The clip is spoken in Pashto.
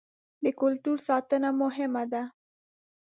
د کلتور ساتنه مهمه ده.